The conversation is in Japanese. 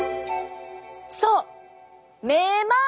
そう「めまい」！